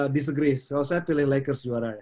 disagree kalau saya pilih lakers juara ya